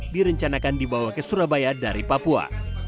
direncanakan dibawa ke surabaya dari papua